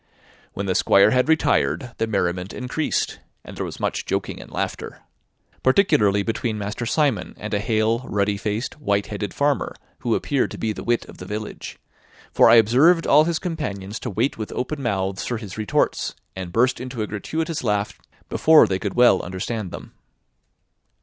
When the Squire had retired, the merriment increased, and there was much joking and laughter, particularly between Master Simon and a hale, ruddy faced, white headed farmer, who appeared to be the wit of the village; for I observed all his companions to wait with open mouths for his retorts, and burst into a gratuitous laugh before they could well understand them.